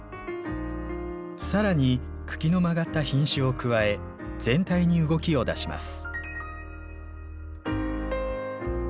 さらに茎の曲がった品種を加え全体に動きを出します。